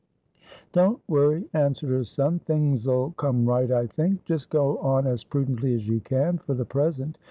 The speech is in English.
"Don't worry," answered her son. "Things'll come right, I think. Just go on as prudently as you can, for the present.